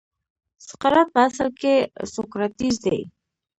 سقراط په اصل کې سوکراتیس دی.